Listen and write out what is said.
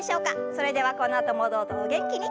それではこのあともどうぞお元気に。